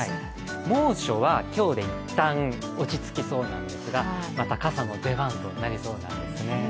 猛暑は今日で一旦落ち着きそうなんですがまた傘の出番となりそうなんですね。